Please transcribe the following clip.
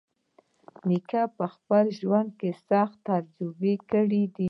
نیکه په خپل ژوند کې سختۍ تجربه کړې دي.